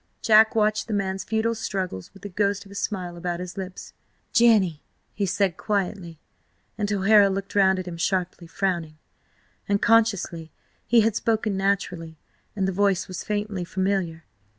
Jack watched the man's futile struggles with the ghost of a smile about his lips. "Jenny!" he said quietly, and O'Hara looked round at him sharply, frowning. Unconsciously, he had spoken naturally, and the voice was faintly familiar.